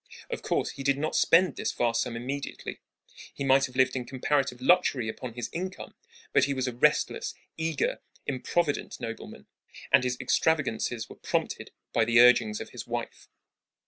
Of course, he did not spend this vast sum immediately. He might have lived in comparative luxury upon his income; but he was a restless, eager, improvident nobleman, and his extravagances were prompted by the urgings of his wife.